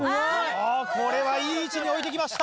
あこれはいい位置に置いてきました！